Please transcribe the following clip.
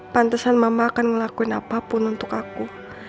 pantesan mama akan ngelakuin apapun untuk aku